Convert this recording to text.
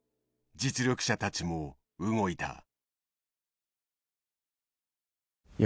実力者たちも動いた。